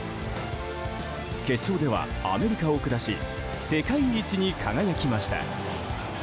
決勝では、アメリカを下し世界一に輝きました。